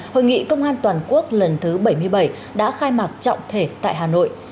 hội nghị công an toàn quốc lần thứ bảy mươi bảy đã khai mạc trọng thể tại hà nội